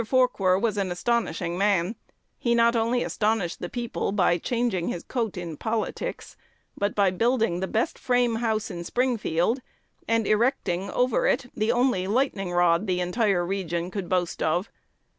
Forquer was an astonishing man: he not only astonished the people by "changing his coat in politics," but by building the best frame house in Springfield, and erecting over it the only lightning rod the entire region could boast of.